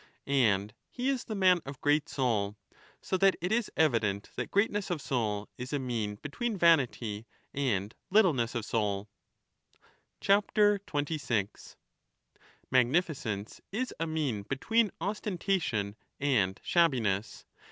And he is the man of great soul. So that it is evident that greatness of soul is a mean 35 between vanity and littleness of soul. 26 Magnificence is a mean between ostentation and shabbi ness.